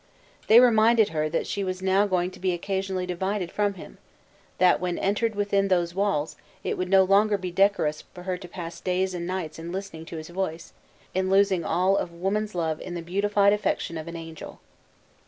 They reminded her that she was now going to be occasionally divided from him; that when entered within those walls, it would no longer be decorous for her to pass days and nights in listening to his voice, in losing all of woman's love in the beautified affection of an angel.